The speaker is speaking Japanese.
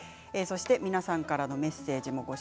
皆さんからのメッセージです。